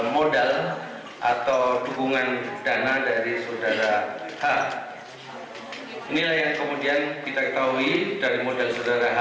modal atau dukungan dana dari saudara h